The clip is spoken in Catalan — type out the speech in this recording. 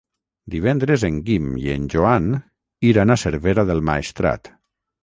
Divendres en Guim i en Joan iran a Cervera del Maestrat.